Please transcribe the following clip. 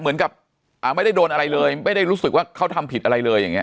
เหมือนกับไม่ได้โดนอะไรเลยไม่ได้รู้สึกว่าเขาทำผิดอะไรเลยอย่างนี้